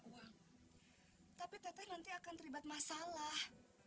uang tapi tetep nanti akan terlibat masalah